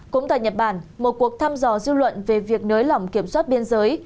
cũng tại nhật bản một cuộc thăm dò dư luận về việc nới lỏng kiểm soát biên giới